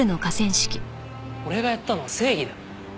俺がやったのは正義だ。